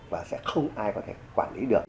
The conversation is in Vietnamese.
và sẽ không ai có thể quản lý được